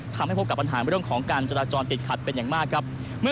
ทำให้พบกับปัญหาเรื่องของการจราจรติดขัดเป็นอย่างมากครับ